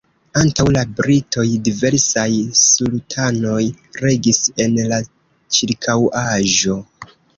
Antaŭ la britoj diversaj sultanoj regis en la ĉirkaŭaĵo.